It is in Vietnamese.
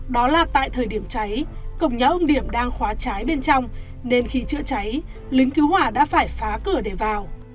đó là tại thời điểm cháy cổng nhà ông điểm đang khóa trái bên trong nên khi chữa cháy lính cứu hỏa đã phải phá cửa để vào